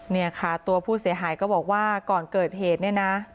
เนี่ยค่ะตัวผู้เสียหายก็บอกว่าก่อนเกิดเหตุเนี่ยนะ